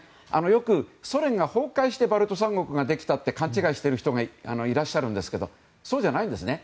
よくソ連が崩壊してバルト三国ができたと勘違いしている人がいらっしゃいますけどそうじゃないんですね。